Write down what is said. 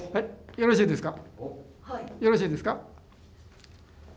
よろしいですか？